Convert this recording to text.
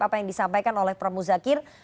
apa yang disampaikan oleh pramu zakir